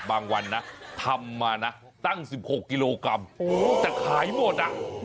บางวันทำมาตั้ง๑๖กิโลกรัมแต่ขายหมด